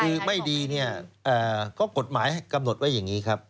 คือไม่ดีเนี่ยก็กฎหมายกำหนดไว้อย่างนี้ครับ